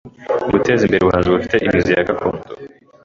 guteza imbere ubuhanzi bufite imizi ya gakondo